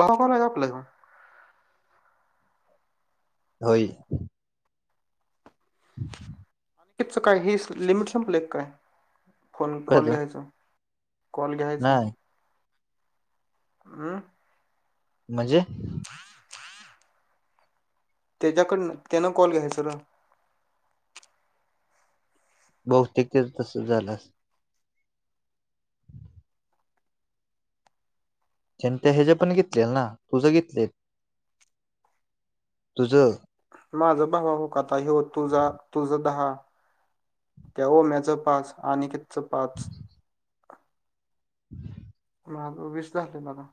बराबर आहे आपलं काम. होय. [unintelligible] आणखच काय हे लिमिट संपलंय काय? फोन कळत कॉल घ्यायचं. कॉल घ्यायचा नाही हम् म्हणजे? ह-ह त्याच्याकडन त्याना कॉल घ्याय सर बौतेिकच तसं झालं जनंत हज पण घेतलेल ना तुझ घेतलेत तुझ माझं भावा हो का आता हे हो तुझा तुझ दहा त्या म्याचं पाच आणि च पाच. ह म वीस झाले मला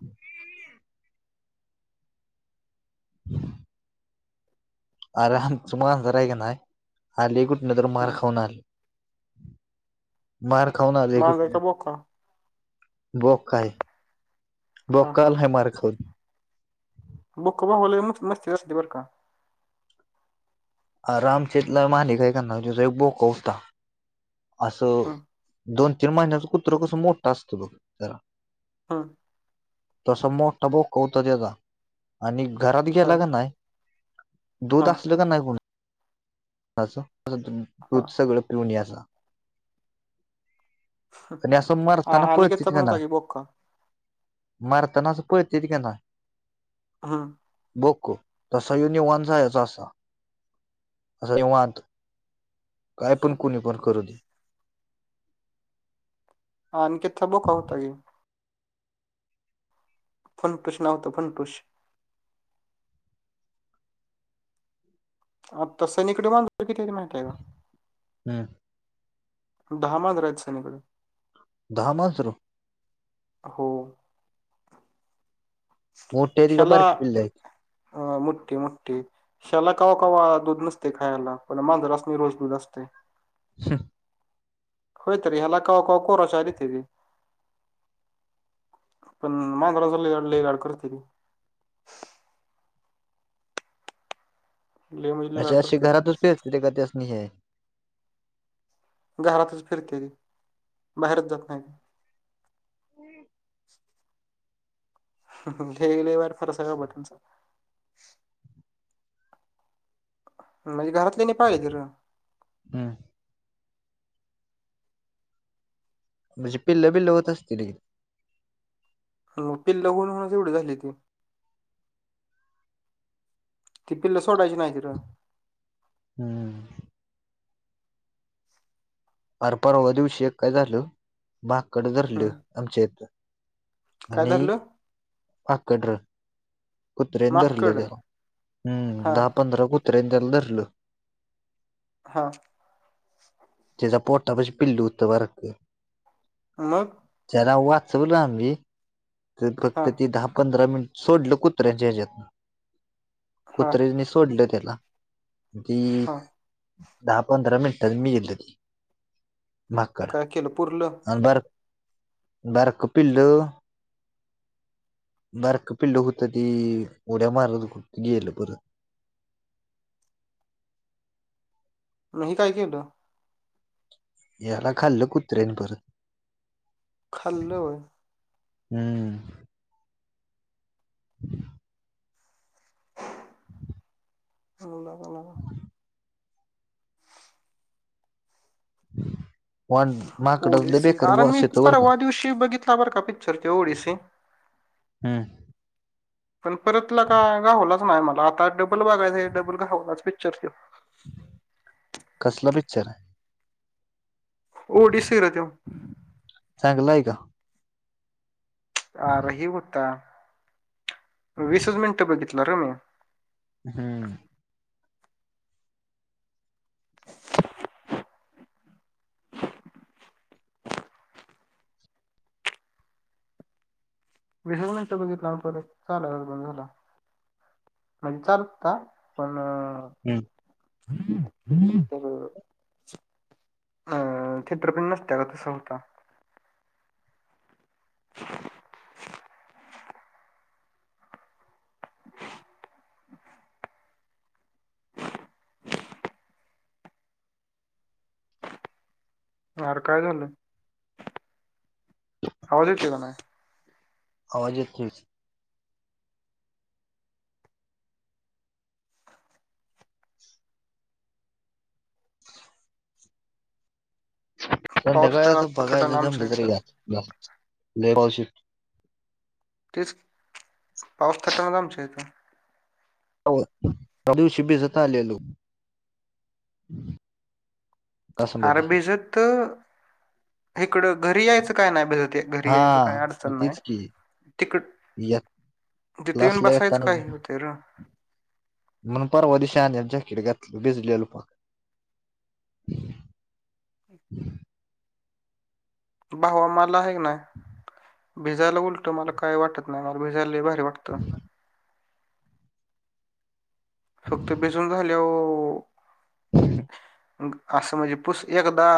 आरम तु मग जरा आहे का नाही, आली कुठ नाही, तर मार हम्म खाऊन आली मार खाऊन आले माझा कुठणे का बोका बॉक काय हा बकाल ह मार खड बुक ब होले म मस्तती बर का आरामचेतला माली काय, कर ना त एक बोका होता. असं हम्म दोन तीन महिन्याच, कुत्र कसं मोठा असतं बघ जरा हां. तसं मोठबो, कौतं त्याचा आणि घरात हा गेला ग नाही. हा दुध असल का नाही हा दूध सगळ पिवणी असा आणि असं मार, असताना हा पळत अनिकेतचा चिथ पण ना होता की बोका मारताना असं प तेथ केना हा. बोक तस युनि वन जायच असा असं तेवत काय पण कोुणी पण करू दे आणीिथं बोका होता गी फंटुश नावतो फंटुश तसं नििकडून मा किती तरी माहितय का हम्म दहामांज रायच सनकडे दहा मास र हो मठ टेरी ग बारख पिला जायची ह मुठी मुठठी. शाला कावा कावा दूध नसते खायला, पण मांजरा असणे रोज दूध असते. ह होोयत ररी हला का कोको रष अरीतरी पण मांगराले ल गाड करते ती ले मजली लाड करते ते तिथे क अस म हे. घरातच फिरते ती बाहेरच जात नाही हम् हे गले वार फरसा का बटचा म्हणजे, घरातल्यानी पाळलीती र हम्म! म्हणजे, पिल्ल-बिल्ल होत असतील की? मग, पिल्ल होऊन होऊनच एवढी झाल्या ती. ती पिल्ल सोडायची नाहीत. हम्म! आर पारव दिवशी एक काय झाल, माकड धरल हम्म आमच्या इथं. काय आणि, धरलं [unintelligible] कुत्र्यांनी धरलं माकड त्याला, हा हम्म, दहा पंधरा कुत्र्यांनी त्याला धरलं. हा. तेझ्या पोटापाशी पिल्लू होत बराक मग? त्याला वाचवलं आम्ही, तर हा फक्त ते दहा पंधरा मिनिट सोडलं कु कुत्र्यांच्या हज्यात, हा कुत्र्यांनी सोडल त्याला ती, हा दहा, पंधरा मिनिटांत मेल ते. माकड काय केलं पुरलं आणि बार, बराक पिल्ल बारक पिल्ल होत ते, उड्या मारत गेलं परत. म हे काय केलं? याला खाल्लं कुत्र्यान परत खल्ल होय? हम्म! [inaudible] [unintelligible] [inaudible] [unintelligible] [inaudible] ओ. माकडाला डी. लय सी बेकार आर मी वास येतो बर का पारवा दिवशी बघितला बरं का पि पिक्चर तो ओ. डि. सी. हम्म पण परत लका, घावलाच नाही मला, आता डबल बघायचं हाय, डबल घावनाच पिक्चर तो. कसला पिच्चर हाय? ओ. डि. सी र तो चांगला आहे का? अर हे होता, वीसच मिनटं बघितलं र मी. हम्म! वीसच मिनिट बघितलं, आणि परत चालायचंच बंद झाला. म्हणजे चालत होता, पण हम्म! [unintelligible] तर [inaudible] आ थेटर पण नसत्यात आता [unintelligible] [inaudible] आर काय झालं, आवाज ययेतोय का नाही? आवाज येतोयच. पाऊस संध्याकाळी काय आता लागला थटान बघायचं, आमच्या जमलं इथं तर [unintelligible] तेच, पाऊस तटनाच आमच्या इथ हो, त्या दिवशी भिजत आलेलो. अरे कासंबदी भिजत, इकडं घरी यायचं काय नाही भिजत घरी हा यायचं काही मग अडचण नाही, तेच की तिकड यात तिथे येऊन क्लासला बसायचं येताना काय होते र. म्हणून परवा दिशी आल्याल्या जॅकेट घातलं भिजलेलो पार. भावा मला हाये का नाय, भिजायला उलट मला काय वाटत नाय. मला भिजायला लई भा री वाटत. फक्त बिसून झाल्या वू ह् [inaudible] असं म्हणजे पुूस एकदा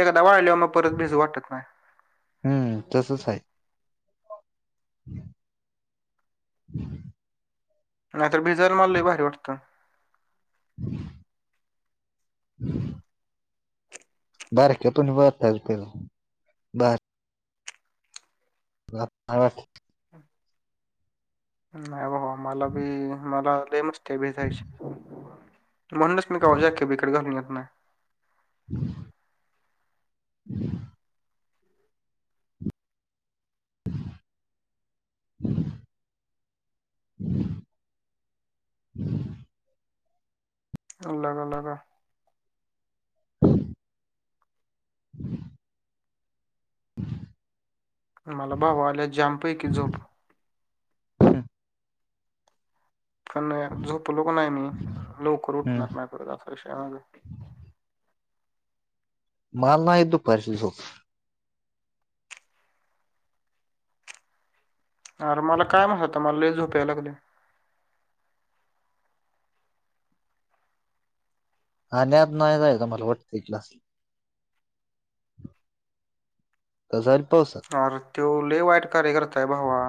एकदा वाळल्याव मग परत भिजू वाटत नाय. हम्म तसच हाय. ह [inaudible] ह [inaudible] नाहीतर भिजला माला लय भारी वाटतं. [inaudible] ह [inaudible] बारके पणी बरतेल ते. [unintelligible] नाही बाबा मला बी मला लई मस्तीय भिजायची. म्हणूनस मी कवा जाॅकेट बिकेट घलून येत नाय. ह [inaudible] [inaudible] [inaudible] अ लगा लगा. ह [inaudible] ह [inaudible] ह [inaudible] मला भाऊ आल्या जांम पैकी झोप. पण यार झोपलो का नाय मी. लवकर उठणार नाही परत [unintelligible] मला नाय येत. दुपारची झोप. अरे मला काय म्हहीता. मला लई झोप् यायला लागले. आणल्या आज नय जायल का मला वाटतंय क्लासला. तो जाईल पावसात. अरे तो लेय वाईट कार्य करताय भावा.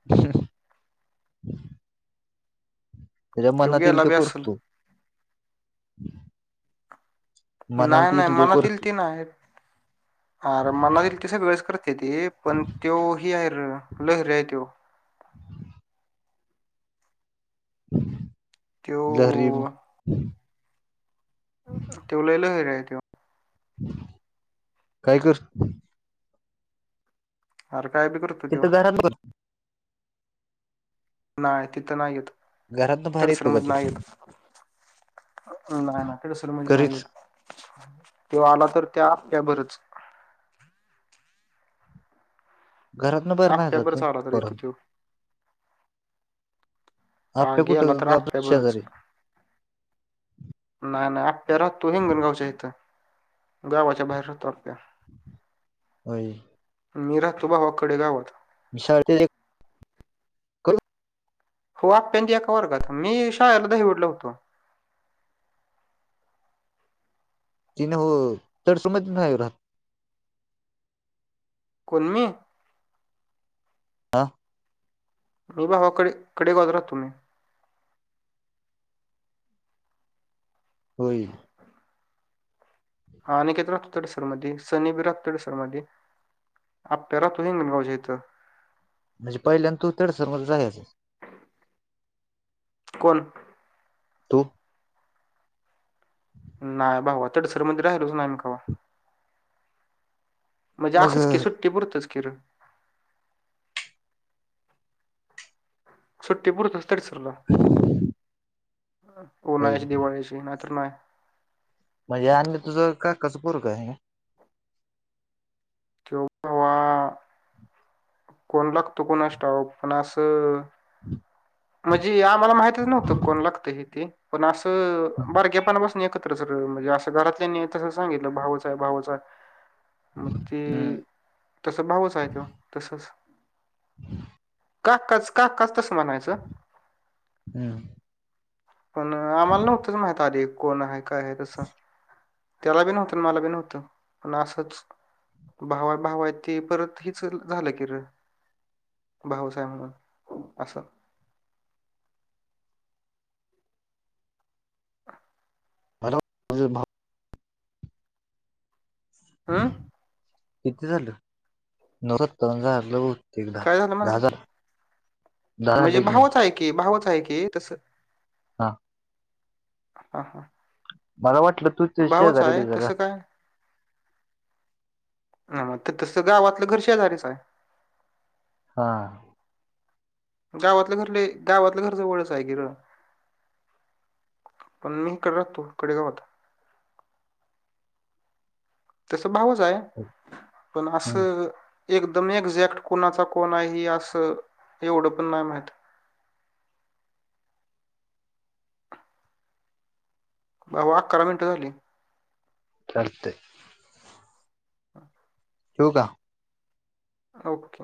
ह [inaudible] त्याच्या त्यो मनात येईल गेला ते बी असल. करतो. मनाला नाय ते नाय येईल मनातील करतो ते नाय. अर मनात येईल ते सगळेस कर त्याती. पण तो हे आहे र. लहरी आहे त्यो. हम [inaudible] त्यो लहरी म. त्यो लई लहरी आहे तो. काय कर अर काय बी कर तिथ घर बस नाय तिथं नाय येत. घरातन बाहेर तडसण येतो का मधी ते नाय येत. नाय नाय तेडसर मधे नाय यत. घरीच त्यो आला तर त्या बरच घरात न बाहेर नाय जात आप्याभरच मी आला तर येतो परत. त्यो. आ, आपल्या गेला कुठं तर गावात अप्प्या बरंच. शेजारी नाही, नाही अप्प्या राहतो हिंगणगावच्या इथं गावाच्या बाहेर राहातो आप्प्या. व्हई. मी राहतो भावाकडे गावात. [unintelligible] आप्प्या न ते एका वर्गात, मी शाळेला दहीवडला शाळेत होतो. ती नव्ह, तरसोबमधी नाही व्हय राहत? कोण मी? हा. मी भावाकडे कडे बाजू राहतो मी. व्हय. हा अनिकेत रात तडसर मध्ये, सनी बी रात तडसर मध्ये. अप्प्या राहतो हींगणगावच्या इथं. म्हणजे पहिल्यांनं तू तडसर मध्ये राहायचं? कोण? तू? [inaudible] नाय भावा, तडसर मधी राहिलोच नाही कवा. म्हणजे मग असंच की सुट्टी पुरतंच की र. सुट्टी पुरतच तडसरला. होय उन्हाळ्याची, दिवाळीची ना नाय. म्हणजे आनि तुझं काकाचं पोरगं हाय काय? [unintelligible] कोण लागतो कुणास ठाऊक, पण असं [unintelligible] म्हणजे आम्हाला माहतीच नव्हतं कोण लागत हे ते, पण असं बारक्यापणा पासन एकत्र तर म्हणजे, असं घरातल्या तसं सांगितलं भाऊच हाय, भाऊच हाय. मग ते, हम्म तस भाऊच हाय त्यो तसच. काकाच, काका तसं म्हणायचं. हम्. पण आम्हाला नव्हतं माहीत आधी कोण हाय, काय हाय तसं. त्याला बी नव्हतं, मला बी नव्हतं पण असच भावा -भावा हाय ते परत हिच चल झालं की र. भाऊच आहे म्हणून असं. [unintelligible] [unintelligible] अंम्म. किती झालं? नऊत्तर झालं बहुतेक दहा, काय दहा म्हणलं झालं. दहा झालं म्हणजे एक भावच मिनिट हाय की, भावच हाय की तसं हा. हां, हां. मला वाटलं तू तेज्या शेजारी -बिजारी तसं राहत काय हा, तर तसं गावातलं घर शेजारीच हाय. हां. गावातलं घर लय गावातलं घरच जवळच हाय की र पण मी इकड राहतो खेडे गावात तस भावच हाय पण हम्म असं एकदम एक्झॅक्ट कोणाचा कोण आय हे असं एवढं पण नाय माहित भावा अकरा मिनिटं झाली. चालतय. ठेवू का? आ ओक